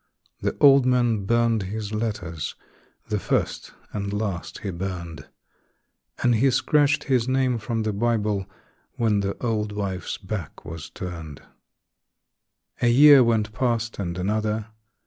The old man burned his letters, the first and last he burned, And he scratched his name from the Bible when the old wife's back was turned. A year went past and another.